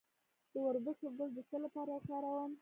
د وربشو ګل د څه لپاره وکاروم؟